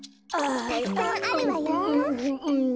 たくさんあるわよ。